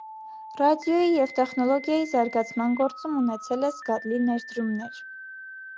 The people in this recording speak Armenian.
Ռադիոյի և տեխնոլոգիայի զարգացման գործում ունեցել է զգալի ներդրումներ։